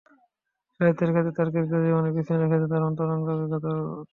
সাহিত্যের ক্ষেত্রে তাঁর কৃতিত্ব জীবনের বিস্তৃততর ক্ষেত্রে তাঁর অন্তরঙ্গ অভিজ্ঞতার প্রতিভাস মাত্র।